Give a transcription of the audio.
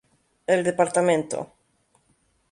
El Dpto.